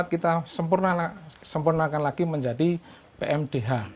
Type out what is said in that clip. kita sempurnakan lagi menjadi pmdh